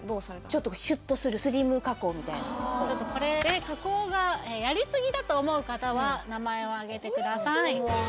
ちょっとシュッとするこれ加工がやりすぎだと思う方は名前をあげてください